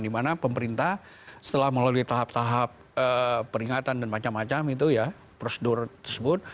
dimana pemerintah setelah melalui tahap tahap peringatan dan macam macam itu ya prosedur tersebut